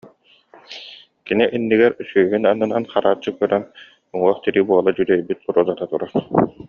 Кини иннигэр сүүһүн аннынан харааччы көрөн, уҥуох-тирии буола дьүдьэйбит Розата турара